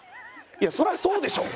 いやそらそうでしょ！